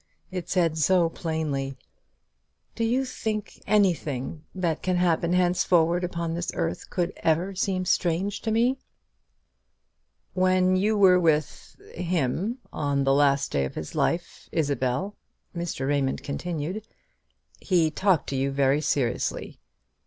It said so plainly, "Do you think anything that can happen henceforward upon this earth could ever seem strange to me?" "When you were with him on the last day of his life, Isabel," Mr. Raymond continued, "he talked to you very seriously.